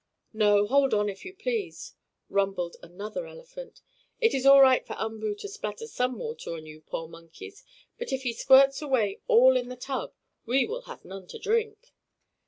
"No, hold on, if you please!" rumbled another elephant. "It is all right for Umboo to splatter some water on you poor monkeys, but if he quirts away all in the tub we will have none to drink."